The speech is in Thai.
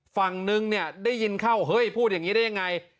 ฝั่งนึงเนี่ยได้ยินเข้าเฮ้ยพูดอย่างนี้ได้ยังไง